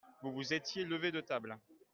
Vous vous étiez levés de table.